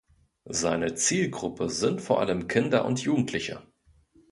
Seine Zielgruppe sind vor allem Kinder und Jugendliche.